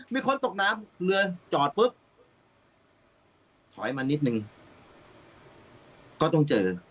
มีคนตกน้ำเรือจอดปุ๊บถอยมานิดนึงก็ต้องเจอ